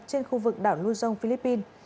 trên khu vực đảo luzon philippines